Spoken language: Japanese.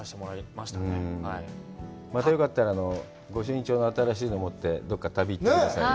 またよかったらご朱印帳の新しいのをもって、どこか旅、行ってくださいよ。